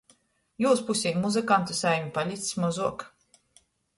Jūs pusē muzykantu saimu palics mozuok.